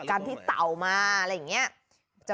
อันนี้ไม่รู้